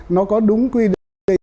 nó có đúng quy định